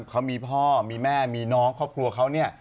เขามีพ่อมีแม่มีน้องครอบครัวเขาเนี่ย